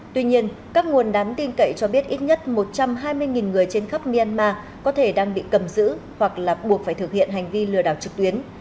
tuy nhiên các nguồn đám tin cậy cho biết ít nhất một trăm hai mươi người trên khắp myanmar có thể đang bị cầm giữ hoặc là buộc phải thực hiện hành vi lừa đảo trực tuyến